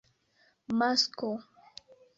masko